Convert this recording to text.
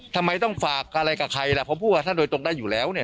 ทำไมต้องฝากอะไรกับใครล่ะผมพูดกับท่านโดยตรงได้อยู่แล้วเนี่ย